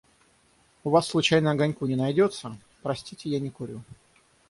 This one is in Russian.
«У вас случайно огоньку не найдется?» — «Простите, я не курю».